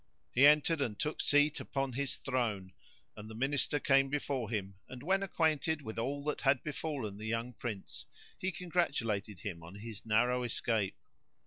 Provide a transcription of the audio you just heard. He entered and took seat upon his throne and the Minister came before him and, when acquainted with all that had befallen the young Prince, he congratulated him on his narrow escape.